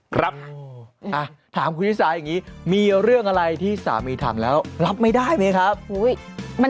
ครับถามคุณชิสาอย่างนี้มีเรื่องอะไรที่สามีถามแล้วรับไม่ได้ไหมครับ